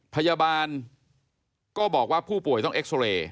พยาบาลก็บอกว่าผู้ป่วยต้องเอ็กซอเรย์